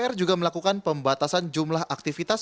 dpr juga melakukan pembatasan jumlah aktivitas